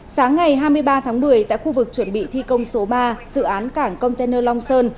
sáng ngày hai mươi ba tháng một mươi tại khu vực chuẩn bị thi công số ba dự án cảng container long sơn